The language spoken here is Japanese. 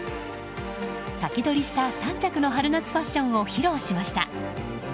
先取りした３着の春夏ファッションを披露しました。